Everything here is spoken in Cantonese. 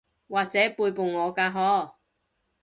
或者背叛我㗎嗬？